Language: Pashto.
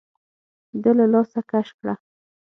ده له لاسه کش کړه.